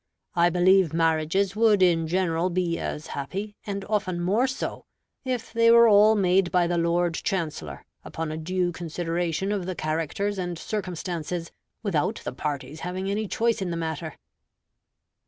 I believe marriages would in general be as happy, and often more so, if they were all made by the Lord Chancellor, upon a due consideration of the characters and circumstances, without the parties having any choice in the matter.